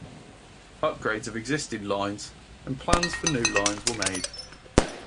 Upgrades of existing lines and plans for new lines were made.